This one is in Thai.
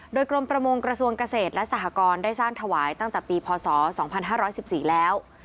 โดยกรมประมงกระทรวงเกษตรและสหกรณ์ได้สร้างถวายตั้งแต่ปีพศ๒๕๑๔แล้ว